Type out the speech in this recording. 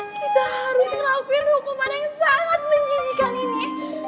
kita harus meraupin hukuman yang sangat menjijikan ini